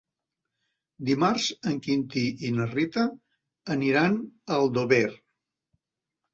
Dimarts en Quintí i na Rita aniran a Aldover.